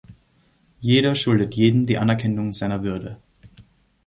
Jeder schuldet jedem die Anerkennung seiner Würde.